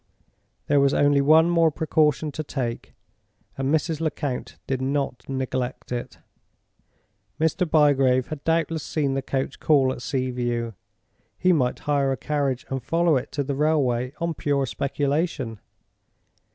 There was only one more precaution to take, and Mrs. Lecount did not neglect it. Mr. Bygrave had doubtless seen the coach call at Sea View. He might hire a carriage and follow it to the railway on pure speculation.